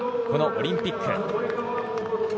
このオリンピック。